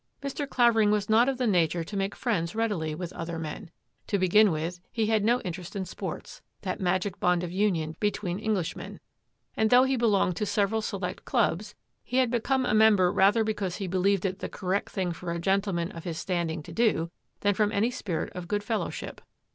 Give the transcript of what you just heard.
Mr. Clavering was not of the nature to make friends readily with other men; to begin with, he had no interest in sports, that magic bond of union between Englishmen, and though he belonged to several select clubs, he had become a member rather because he believed it the correct thing for a gentle man of his standing to do than from any spirit of good fellowship.